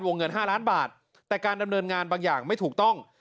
เงิน๕ล้านบาทแต่การดำเนินงานบางอย่างไม่ถูกต้อง